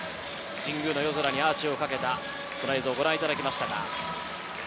神宮の夜空にアーチをかけた映像をご覧いただきました。